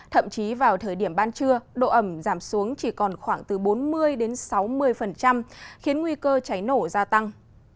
thậm chí vào thời điểm ban trưa độ ẩm giảm xuống chỉ còn khoảng từ bốn mươi sáu mươi khiến nguy cơ cháy nổ gia tăng